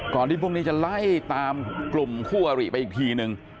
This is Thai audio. ก่อนที่พวกนี้จะไล่ตามกลุ่มคู่อาริไปอีกทีหนึ่ง